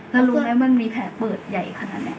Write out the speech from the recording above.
แล้วรู้ไหมมันมีแผลเปิดใหญ่ขนาดไหน